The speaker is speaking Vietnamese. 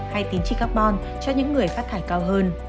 hay tín trị carbon cho những người phát thải cao hơn